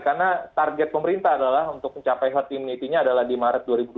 karena target pemerintah adalah untuk mencapai herd immunity nya adalah di maret dua ribu dua puluh dua